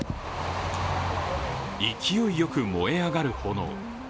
勢いよく燃え上がる炎。